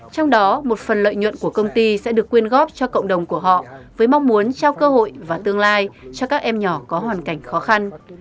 trong đó một phần lợi nhuận của công ty sẽ được quyên góp cho cộng đồng của họ với mong muốn trao cơ hội và tương lai cho các em nhỏ có hoàn cảnh khó khăn